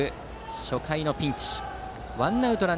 初回のピンチ。